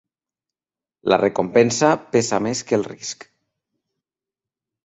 La recompensa pesa més que el risc.